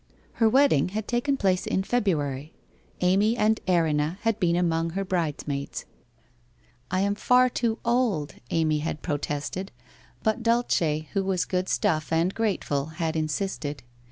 Her wedding had taken place in February. Amy and Erinna had been among her bridesmaids. * I am far too old,' Amy had protested, but Dulce, who was good stuff and grateful, had insisted.